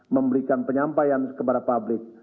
memberikan penyampaian kepada publik